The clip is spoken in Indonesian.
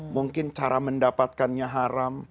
mungkin cara mendapatkannya haram